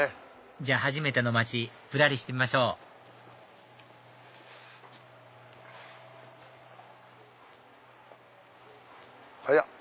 じゃあ初めての町ぶらりしてみましょうありゃ？